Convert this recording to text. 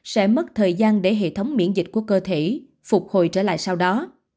sẽ mất thời gian để hệ thống miễn dịch của cơ thể phục hồi trở lại sau đó